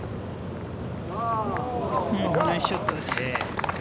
ナイスショットです。